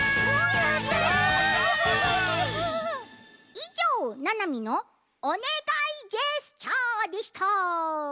いじょうななみの「おねがいジェスチャー！」でした。